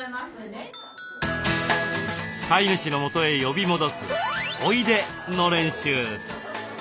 飼い主の元へ呼び戻す「おいで」の練習。